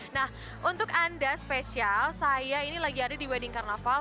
nah untuk anda spesial saya ini lagi ada di wedding carnaval